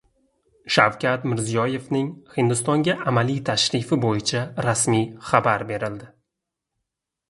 Shavkat Mirziyoyevning Hindistonga amaliy tashrifi bo‘yicha rasmiy xabar berildi